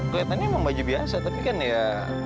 kelihatannya emang baju biasa tapi kan ya